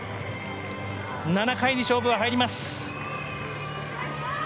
７回に勝負が入ります。